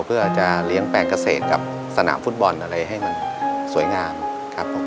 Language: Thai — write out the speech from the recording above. เพื่อจะเลี้ยงแปลงเกษตรกับสนามฟุตบอลอะไรให้มันสวยงามครับผม